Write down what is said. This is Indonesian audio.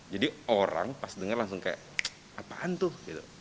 jadi orang pas dengar langsung kayak apaan tuh